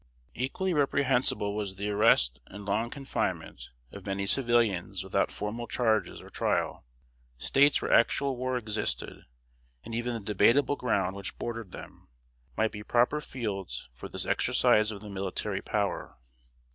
Equally reprehensible was the arrest and long confinement of many civilians without formal charges or trial. States where actual war existed, and even the debatable ground which bordered them, might be proper fields for this exercise of the Military Power.